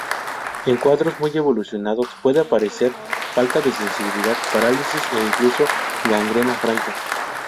En cuadros muy evolucionados puede aparecer falta de sensibilidad, parálisis e incluso gangrena franca.